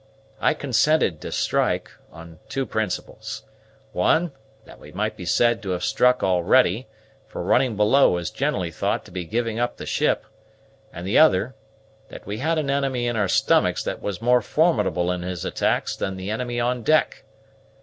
I consented to strike, on two principles; one, that we might be said to have struck already, for running below is generally thought to be giving up the ship; and the other, that we had an enemy in our stomachs that was more formidable in his attacks than the enemy on deck.